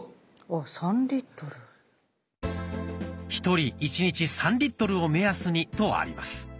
「１人１日３リットルを目安に」とあります。